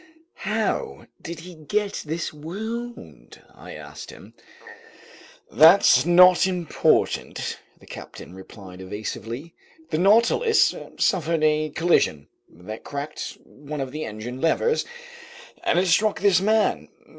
"How did he get this wound?" I asked him. "That's not important," the captain replied evasively. "The Nautilus suffered a collision that cracked one of the engine levers, and it struck this man.